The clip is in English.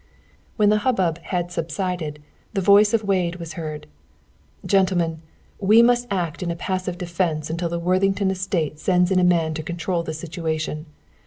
When the hubbub had subsided, the voice of Wade was heard. "Gentlemen, we must act in a passive defence until the Worthington Estate sends in a man to control the situation.